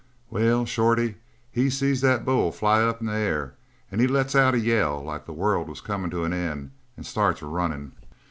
"Well, Shorty, he seen that bull fly up into the air and he lets out a yell like the world was comin' to an end, and starts runnin'.